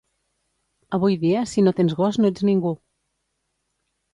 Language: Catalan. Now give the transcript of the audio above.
Avui dia si no tens gos no ets ningú